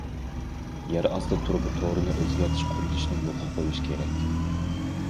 يەر ئاستى تۇرۇبا تورىنى ئۆزگەرتىش قۇرۇلۇشىنى يولغا قويۇش كېرەك.